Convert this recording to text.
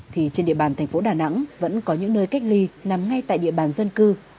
thì trên địa bàn thành phố đà nẵng vẫn có những nơi cách ly nằm ngay tại địa bàn dân cư